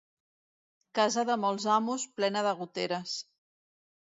Casa de molts amos, plena de goteres.